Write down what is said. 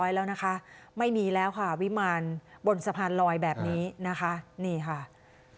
ใช่บ้านที่อยู่เลยมีจักรยานมีอะไรเรียบร้อย